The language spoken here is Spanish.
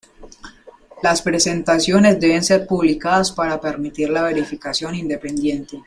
Las presentaciones deben ser publicadas para permitir la verificación independiente.